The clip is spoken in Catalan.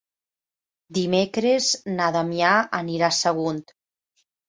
Dimecres na Damià anirà a Sagunt.